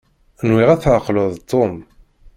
Nwiɣ ad tɛeqleḍ Tom.